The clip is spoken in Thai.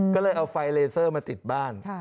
ก็เลยเอาไฟเลเซอร์มาติดบ้าน